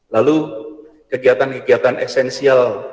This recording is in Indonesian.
lalu kegiatan kegiatan esensial